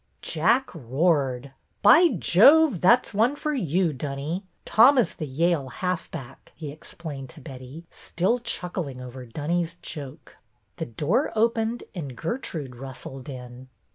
Jack roared. " By Jove, that 's one for you, Dunny. Tom is the Yale halfback," he explained to Betty, still chuckling over Dunny' s joke. The door opened and Gertrude rustled in.